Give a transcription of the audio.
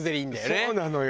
そうなのよ。